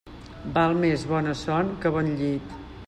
Val més bona son que bon llit.